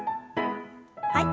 はい。